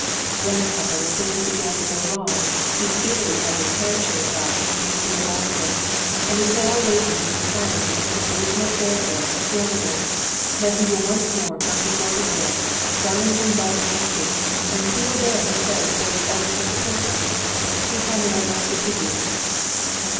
When, however, things began to go wrong, he speedily had his hair shaved off and his beard also, and is now waiting in retirement till his original fair hair has grown again. Then he will once more come before the world as Valentine Bálványossi; and who will dare to say that there was ever such a person as Tihamér Rengetegi?"